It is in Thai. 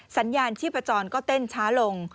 สัญญาณชีพจรก็เต้นช้าลง